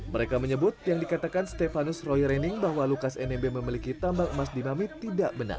mereka menyebut yang dikatakan stefanus roy rening bahwa lukas nmb memiliki tambang emas di mamit tidak benar